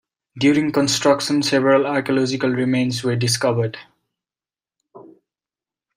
During construction several archeological remains were discovered.